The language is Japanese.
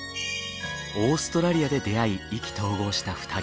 オーストラリアで出会い意気投合した２人。